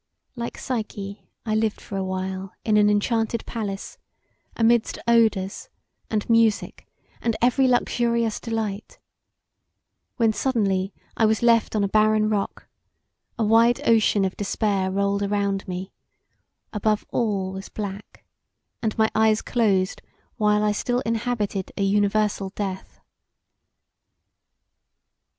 Like Psyche I lived for awhile in an enchanted palace, amidst odours, and music, and every luxurious delight; when suddenly I was left on a barren rock; a wide ocean of despair rolled around me: above all was black, and my eyes closed while I still inhabited a universal death.